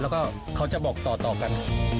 แล้วก็เขาจะบอกต่อกัน